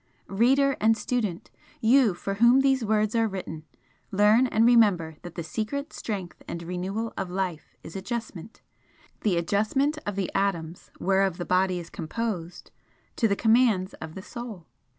"Reader and Student! you for whom these words are written, learn and remember that the secret strength and renewal of life is Adjustment the adjustment of the atoms whereof the body is composed to the commands of the Soul.